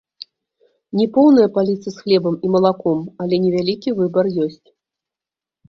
Не поўныя паліцы з хлебам і малаком, але невялікі выбар ёсць.